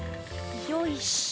よいしょ。